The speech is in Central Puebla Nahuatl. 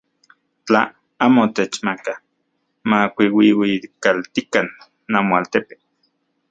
Tla amo techmakaj, makiuiuikaltikan namoaltepe.